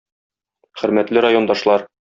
"Хөрмәтле райондашлар!